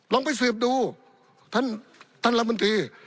ลองไปเสียบดูท่านรัฐมนตรี